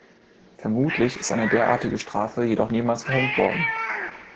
Vermutlich ist eine derartige Strafe jedoch niemals verhängt worden.